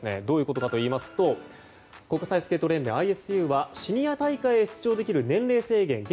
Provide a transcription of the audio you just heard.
どういうことかというと国際スケート連盟・ＩＳＵはシニア大会に出場できる年齢制限